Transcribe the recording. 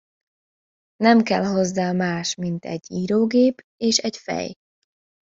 Nem kell hozzá más, mint egy írógép és egy fej.